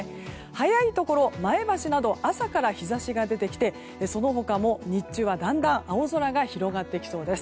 早いところ、前橋など朝から日差しが出てきてその他も日中はだんだん青空が広がってきそうです。